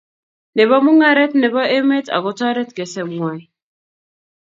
nebo mungaret nebo emet ago toret kesemgwai